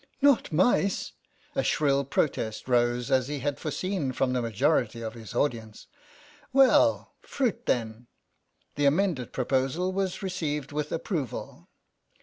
"Not mice!" A shrill protest rose, as he had foreseen, from the majority of his audience. " Well, fruit, then." The amended proposal was received with approval.